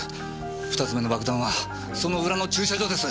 ２つ目の爆弾はその裏の駐車場です。